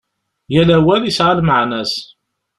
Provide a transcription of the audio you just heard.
Yal awal yesεa lmeεna-s.